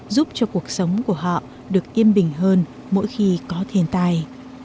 giúp cho cuộc sống của họ được yên bình hơn mỗi khi có thiên tai